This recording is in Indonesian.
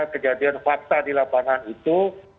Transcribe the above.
kejadian fakta di lapangan itu